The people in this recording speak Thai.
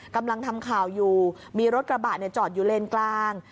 กำลังทำข่าวอยู่มีรถกระบะจอดอยู่เลนกลาง